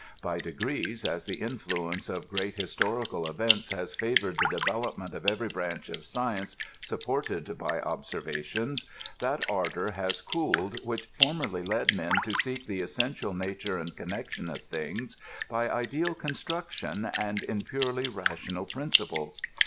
By degrees, as the influence of great historical events has favored the development of every branch of science supported by ob servation, that ardor has cooled which formerly led men to seek the essential nature and connection of things by ideal construction and in purely rational principles.